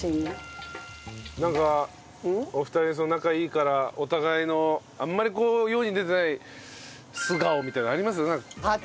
なんかお二人仲いいからお互いのあんまり世に出てない素顔みたいなのあります？